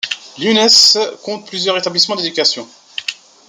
Luynes compte plusieurs établissements d'éducation.